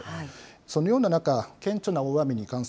そのような中、顕著な大雨に関す